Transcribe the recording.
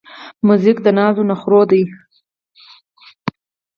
موزیک د نازو نخری دی.